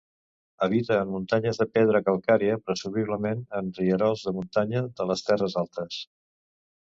Habita en muntanyes de pedra calcària, presumiblement en rierols de muntanya de les terres altes.